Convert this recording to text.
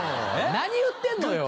何言ってんのよ。